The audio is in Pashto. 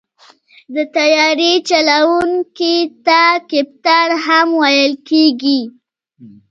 د طیارې چلوونکي ته کپتان هم ویل کېږي.